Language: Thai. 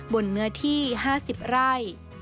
บนเนื้อที่๕๐ไร่